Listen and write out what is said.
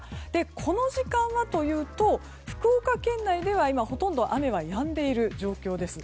この時間はというと福岡県内では今、ほとんど雨はやんでいる状況です。